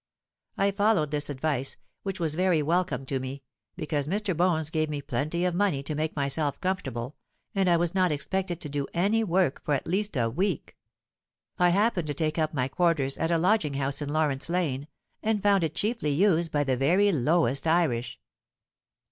I followed this advice, which was very welcome to me; because Mr. Bones gave me plenty of money to make myself comfortable, and I was not expected to do any 'work' for at least a week. I happened to take up my quarters at a lodging house in Lawrence Lane, and found it chiefly used by the very lowest Irish.